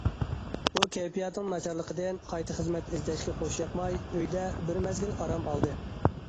ئۇ كەيپىياتىنىڭ ناچارلىقىدىن قايتا خىزمەت ئىزدەش خۇشياقماي، ئۆيدە بىر مەزگىل ئارام ئالدى.